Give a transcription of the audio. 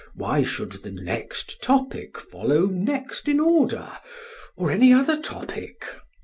Why should the next topic follow next in order, or any other topic?